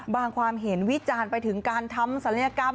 ความเห็นวิจารณ์ไปถึงการทำศัลยกรรม